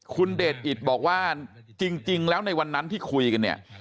คุณเดชอิตบอกว่าจริงแล้วในวันนั้นที่คุยกันเนี่ย